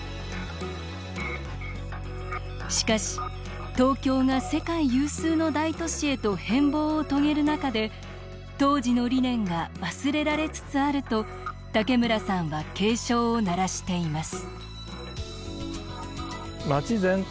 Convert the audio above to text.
しかし、東京が世界有数の大都市へと変貌を遂げる中で当時の理念が忘れられつつあると武村さんは警鐘を鳴らしています。